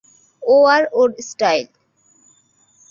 ও আর ওর স্টাইল।